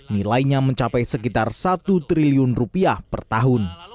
nilainya mencapai sekitar satu triliun rupiah per tahun